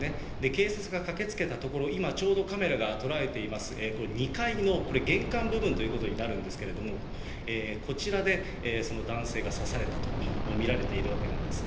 警察が駆けつけたところ、今、ちょうどカメラが捉えています、これ、２階の玄関部分になるんですけれども、こちらでその男性が刺されたと見られているわけなんです。